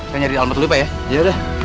saya nyari alamat dulu pak ya